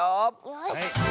よし！